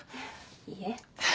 いいえ。